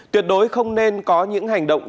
tuyệt đối không nên có những hành động